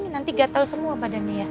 nanti gatel semua padanya ya